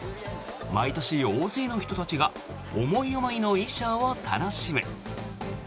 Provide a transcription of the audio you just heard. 毎年、大勢の人たちが思い思いの衣装を楽しむ。